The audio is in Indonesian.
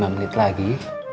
lima menit lagi